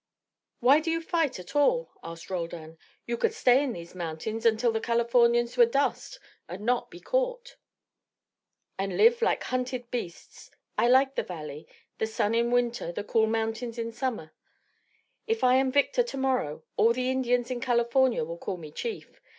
"Why do you fight at all?" asked Roldan. "You could stay in these mountains until the Californians were dust, and not be caught." "And live like hunted beasts. I like the valley; the sun in winter, the cool mountains in summer. If I am victor to morrow, all the Indians in California will call me chief.